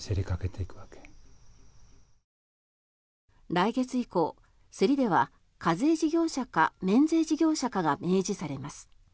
来月以降競りでは課税事業者か免税事業者かが明示されます。